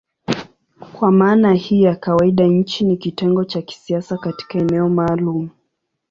Kwa maana hii ya kawaida nchi ni kitengo cha kisiasa katika eneo maalumu.